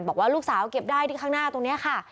บอกว่าลูกสาวเก็บได้ที่ข้างหน้าตรงนี้ค่ะ